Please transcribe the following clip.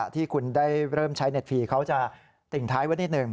ที่คุณได้เริ่มใช้เน็ตฟรีเขาจะติ่งท้ายไว้นิดหนึ่ง